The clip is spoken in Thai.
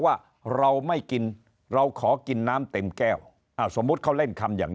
ว่าเราไม่กินเราขอกินน้ำเต็มแก้วสมมุติเขาเล่นคำอย่าง